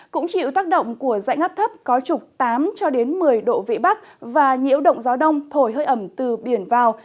cũng chịu tác động của dãy ngắp thấp có trục tám một mươi độ vĩ bắc và nhiễu động gió đông thổi hơi ẩm từ biển vào